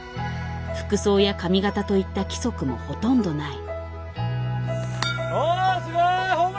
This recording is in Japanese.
服装や髪形といった規則もほとんどない。